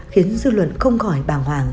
khiến dư luận không khỏi bàng hoàng